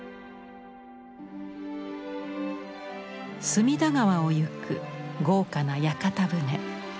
隅田川をゆく豪華な屋形船。